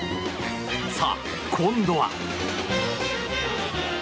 さあ、今度は。